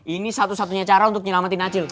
ini satu satunya cara untuk nyelamatin acil